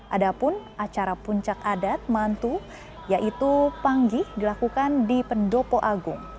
adapun acara puncak adat mantu yaitu panggi dilakukan di pendopo agung